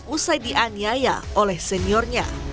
usai dianiaya oleh seniornya